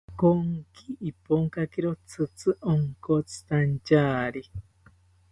Konki Iponkakiro tzitzi onkotzitantyari